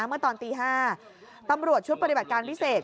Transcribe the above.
เมื่อตอนตี๕ตำรวจชุดปฏิบัติการพิเศษ